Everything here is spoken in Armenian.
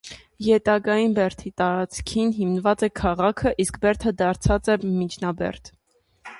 Յետագային բերդի տարածքին հիմնած են քաղաքը, իսկ բերդը դարձած է միջնաբերդ։